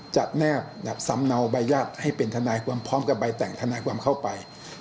แนบแบบซ้ำเนาใบญาติให้เป็นทนายความพร้อมกับใบแต่งทนายความเข้าไป